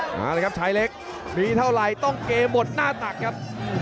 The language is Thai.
หาเลยครับชายเล็กดีเท่าไรต้องเกหมดหน้าตากครับ